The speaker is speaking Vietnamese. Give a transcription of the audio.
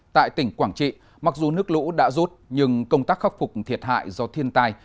tại tỉnh quảng trị mặc dù nước lũ đã rút nhưng công tác khắc phục thiệt hại do thiên tai